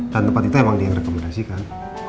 dan tempat itu emang dia yang rekomendasikan